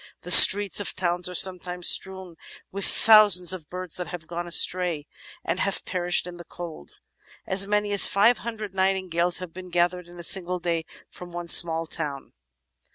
"The streets of towns are sometimes strewn with thousands of birds that have gone astray and have perished in the cold. As many as five hundred nightingales have been gathered in a single day from one small town."